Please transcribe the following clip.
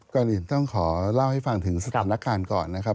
ก่อนอื่นต้องขอเล่าให้ฟังถึงสถานการณ์ก่อนนะครับ